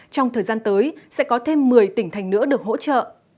trong thời gian tới sẽ có thêm một mươi tỉnh thành nữa được hỗ trợ